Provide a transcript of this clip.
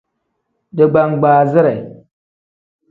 Digbangbaazire.